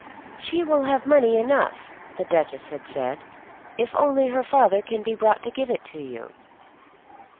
"She will have money enough," the Duchess had said, "if only her father can be brought to give it you."